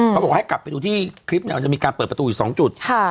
เขาบอกให้กลับไปดูที่คลิปเนี่ยมันจะมีการเปิดประตูอยู่๒จุด